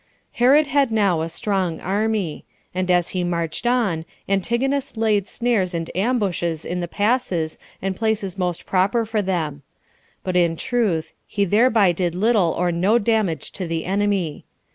2. Herod had now a strong army; and as he marched on, Antigonus laid snares and ambushes in the passes and places most proper for them; but in truth he thereby did little or no damage to the enemy.